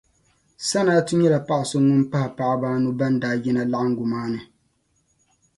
Sanatu nyɛla paɣa so ŋun pahi paɣaba anu ban daa yina laɣingu maa ni